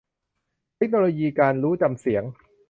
เทคโนโลยีการรู้จำเสียง